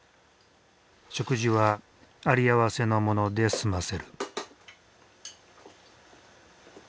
食事は有り合わせのもので済ませる。